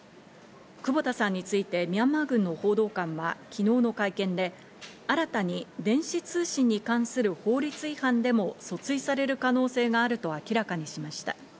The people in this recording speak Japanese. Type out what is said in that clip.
久保田さんについてミャンマー軍の報道官は昨日の会見で、新たに電子通信に関する法律違反でも訴追される可能性があると明らかにしました。